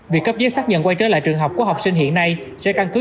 việc cấp giấy xác nhận quay trở lại trường học của học sinh hiện nay sẽ căn cứ